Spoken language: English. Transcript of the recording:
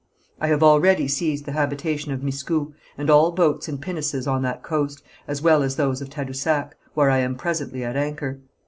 I have already seized the habitation of Miscou, and all boats and pinnaces on that coast, as well as those of Tadousac, where I am presently at anchor.